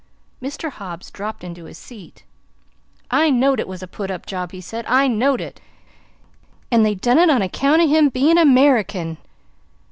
Mr. Hobbs dropped into his seat. "I knowed it was a put up job," he said. "I knowed it; and they done it on account o' him bein' a 'Merican!"